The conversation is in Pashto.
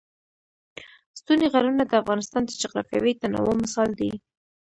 ستوني غرونه د افغانستان د جغرافیوي تنوع مثال دی.